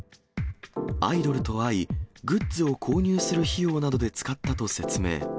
アイドルと会い、グッズを購入する費用などで使ったと説明。